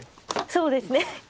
そうですね。